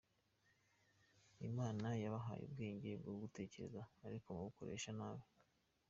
Imana yabahaye ubwenge bwo gutekereza ariko mubukoresha nabi.